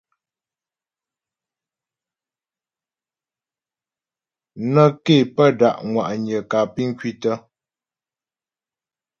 Nə́ ké pə́ da' ŋwa'nyə kǎ piŋ kwǐtə.